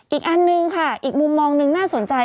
อีกอันนึงค่ะอีกมุมมองหนึ่งน่าสนใจ